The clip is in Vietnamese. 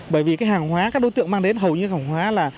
bởi vì cái hàng hóa các đối tượng mang đến hầu như hàng hóa là